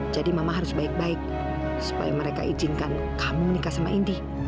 jadi mama harus baik baik supaya mereka izinkan kamu menikah sama indi